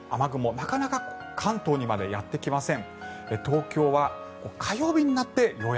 なかなか関東にまでやってきません。